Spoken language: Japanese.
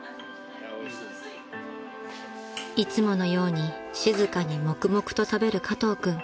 ［いつものように静かに黙々と食べる加藤君］